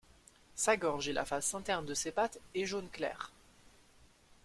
Sa gorge et la face interne de ses pattes est jaune clair.